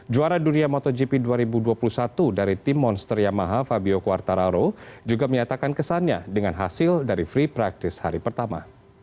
juara dunia motogp dua ribu dua puluh satu dari tim monster yamaha fabio quartararo juga menyatakan kesannya dengan hasil dari free practice hari pertama